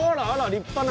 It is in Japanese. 立派な。